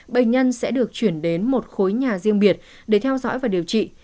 bệnh nhân sẽ được chuyển đến một khối nhà riêng biệt để theo dõi và điều trị